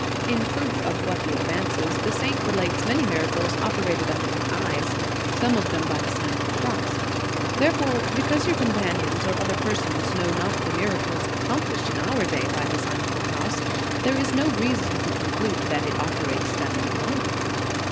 "* In proof of what he advances, the saint relates many miracles operated under his eyes, some of them by the Sign of the Cross. Therefore, because your companions or other persons know not the miracles accomplished in our day by the Sign of the Cross, there is no reason to conclude that it operates them no longer.